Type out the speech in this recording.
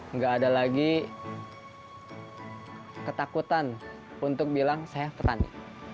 nggak ada lagi ketakutan untuk bilang saya petani